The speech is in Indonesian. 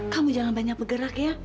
kamu jangan banyak bergerak ya